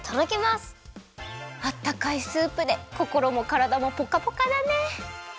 あったかいスープでこころもからだもポカポカだね！